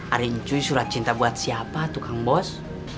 arin cuy surat cinta buat siapa tuh kang bos